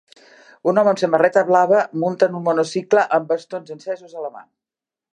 Un home amb samarreta blava munta en un monocicle amb bastons encesos a la mà.